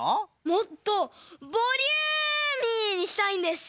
もっとボリューミーにしたいんです！